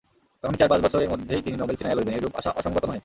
আগামী চার-পাঁচ বৎসরের মধ্যেই তিনি নোবেল ছিনাইয়া লইবেন—এইরূপ আশা অসংগত নহে।